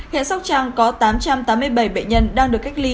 hệ sóc trăng có tám trăm tám mươi bảy bệ nhân đang được cách ly